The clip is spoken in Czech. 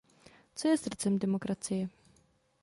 Co je srdcem demokracie?